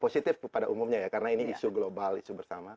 positif pada umumnya ya karena ini isu global isu bersama